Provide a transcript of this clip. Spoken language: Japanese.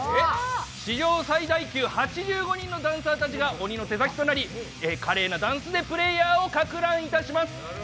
史上最大級８５人のダンサーたちが鬼の手先となり、華麗なダンスでプレーヤーをかく乱いたします。